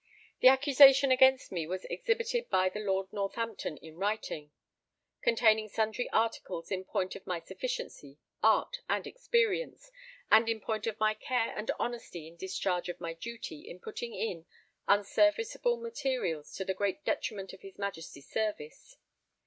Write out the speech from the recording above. The accusation against me was exhibited by the Lord Northampton in writing, containing sundry articles in point of my sufficiency, art, and experience, and in point of my care and honesty in discharge of my duty in putting in unserviceable materials to the great detriment of his Majesty's Service.